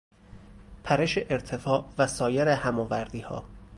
پرش ارتفاع و سایر هماوریها